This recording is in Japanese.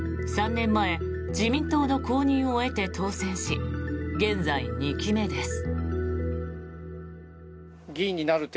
３年前自民党の公認を得て当選し現在２期目です。